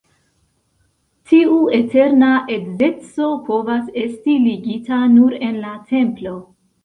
Tiu eterna edzeco povas esti ligita nur en la templo.